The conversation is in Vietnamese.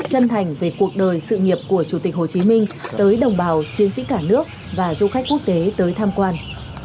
chân thành về cuộc đời sự nghiệp của chủ tịch hồ chí minh tới đồng bào chiến sĩ cả nước và du khách quốc tế tới tham quan